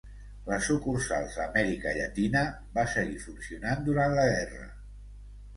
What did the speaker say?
Les sucursals a Amèrica Llatina va seguir funcionant durant la guerra.